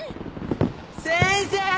先生！